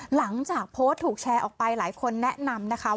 หลังจากโพสต์ถูกแชร์ออกไปหลายคนแนะนำนะคะ